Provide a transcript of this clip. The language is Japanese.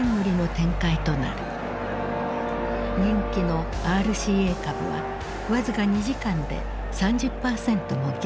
人気のＲＣＡ株は僅か２時間で３０％も下落。